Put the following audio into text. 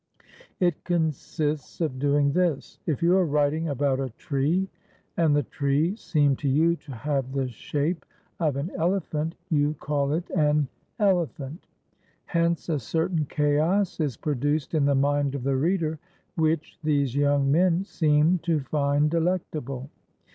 It consists of doing this: If you are writing about a tree and the tree seem to you to have the shape of an ele phant, you call it an elephant. Hence a certain chaos is produced in the mind of the reader, which these young men seem to find delectable.